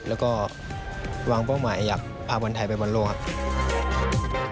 แล้วก็วางเป้าหมายอยากพาบอลไทยไปบอลโลกครับ